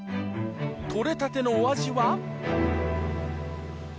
取れたてのお味は？